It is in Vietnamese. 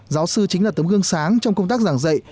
giáo sư chính là tấm gương sáng trong công tác giảng dạy